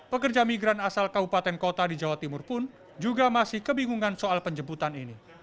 pekerja migran asal kabupaten kota di jawa timur pun juga masih kebingungan soal penjemputan ini